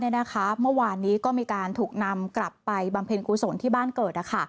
เมื่อวานนี้ก็มีการถูกนำกลับไปบำเพ็ญกุศลที่บ้านเกิด